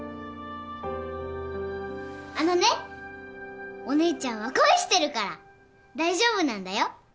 あのねお姉ちゃんは恋してるから大丈夫なんだよ。